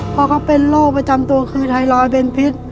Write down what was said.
เพราะเขาเป็นโรคประจำตัวคือไทรอยด์เป็นพิษ